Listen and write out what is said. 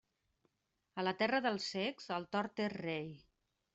A la terra dels cecs, el tort és rei.